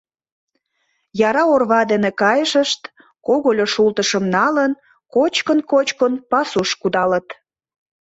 Яра орва дене кайышышт, когыльо шултышым налын, кочкын-кочкын, пасуш кудалыт.